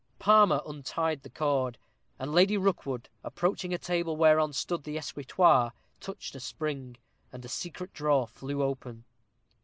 Palmer untied the cord, and Lady Rookwood, approaching a table whereon stood the escritoire, touched a spring, and a secret drawer flew open.